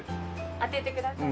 当ててください。